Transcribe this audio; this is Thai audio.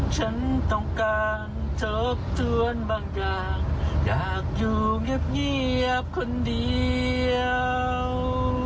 ฉันต้องการทบทวนบางอย่างอยากอยู่เงียบคนเดียว